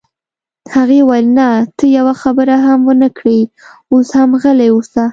هغې وویل: نه، ته یوه خبره هم ونه کړې، اوس هم غلی اوسه.